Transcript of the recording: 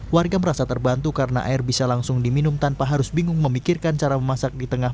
warga merasa terbantu karena air bisa langsung diminum tanpa harus bingung memikirkan cara memasak di tengah